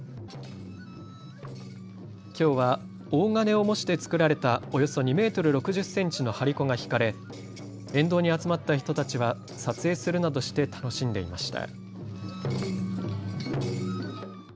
きょうは洪鐘を模して作られたおよそ２メートル６０センチの張り子が引かれ沿道に集まった人たちは撮影するなどして楽しんでいました。